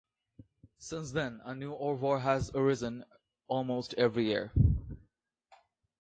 Since then, a new ouvroir has arisen almost every year.